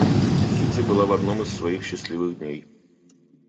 Кити была в одном из своих счастливых дней.